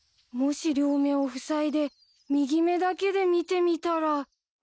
もし両目をふさいで右目だけで見てみたら。